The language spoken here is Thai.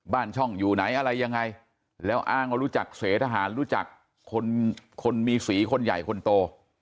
บ้านช่องอยู่ไหนอะไรยังไงแล้วอ้างว่ารู้จักเสทหารรู้จักคนคนมีสีคนใหญ่คนโต